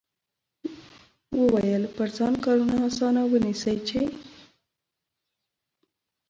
وویل پر ځان کارونه اسانه ونیسئ چې.